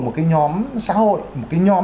một cái nhóm xã hội một cái nhóm